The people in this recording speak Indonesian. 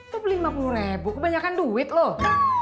tuh beli lima puluh ribu kebanyakan duit loh